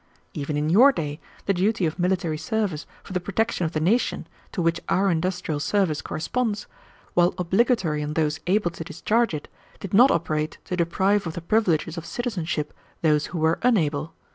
Even in your day, the duty of military service for the protection of the nation, to which our industrial service corresponds, while obligatory on those able to discharge it, did not operate to deprive of the privileges of citizenship those who were unable.